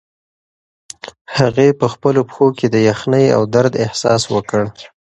هغې په خپلو پښو کې د یخنۍ او درد احساس وکړ.